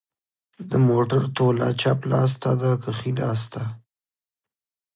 د موټر توله چپ لاس ته ده که ښي لاس ته